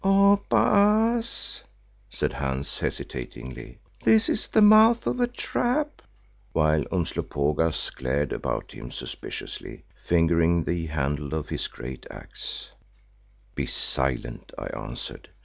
"Oh, Baas," said Hans hesitatingly, "this is the mouth of a trap," while Umslopogaas glared about him suspiciously, fingering the handle of his great axe. "Be silent," I answered.